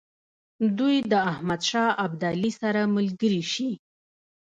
دوی د احمدشاه ابدالي سره ملګري شي.